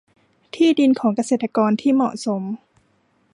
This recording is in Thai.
ที่ดินของเกษตรกรที่เหมาะสม